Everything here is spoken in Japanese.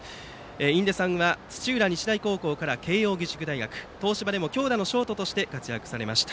印出さんは土浦日大高校から慶応義塾大学東芝でも強打のショートとして活躍されました。